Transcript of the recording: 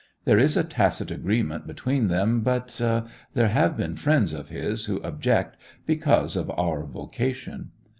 There is a tacit agreement between them, but—there have been friends of his who object, because of our vocation.